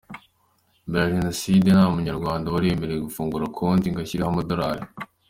Mbere ya Jenoside nta Munyarwanda wari wemerewe gufungura konti ngo ashyireho amadolari”.